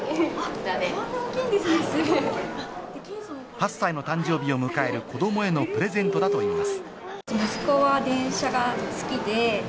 ８歳の誕生日を迎える子どもへのプレゼントだといいます。